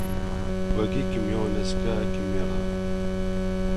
Wagi ikem-yuɣen azekka ad kem-yeṛhen!